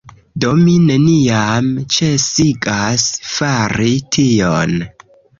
Do mi neniam ĉesigas fari tion